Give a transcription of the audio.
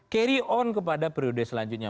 carry on kepada periode selanjutnya